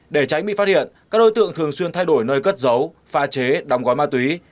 để tránh bị phát hiện các đối tượng thường xuyên thay đổi nơi cất giấu pha chế đóng gói ma túy